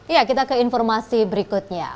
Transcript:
ya kita ke informasi berikutnya